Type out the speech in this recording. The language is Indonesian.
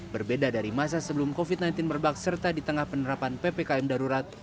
berbeda dari masa sebelum covid sembilan belas merebak serta di tengah penerapan ppkm darurat